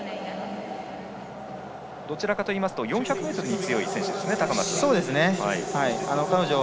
どちらかというと４００ｍに強い選手ですね、高松は。